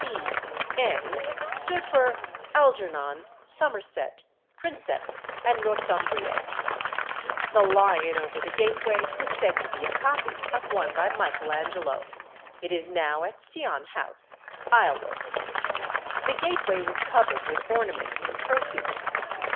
S. P. N." stood for Algernon Somerset, Princeps Northumbriæ. The lion over the gateway was said to be a copy of one by Michael Angelo; it is now at Sion House, Isleworth. The gateway was covered with ornaments and trophies.